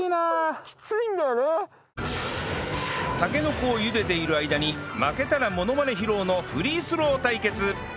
たけのこを茹でている間に負けたらモノマネ披露のフリースロー対決